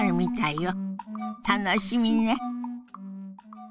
楽しみね。